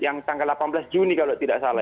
yang tanggal delapan belas juni kalau tidak salah